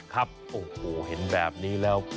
ครับโอ้โหเห็นแบบนี้แล้ว